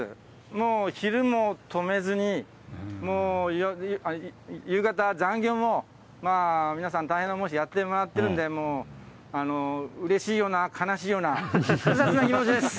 もう昼も止めずに、もう、夕方、残業も皆さん大変な思いしてやってもらっているんで、うれしいような悲しいような、複雑な気持ちです。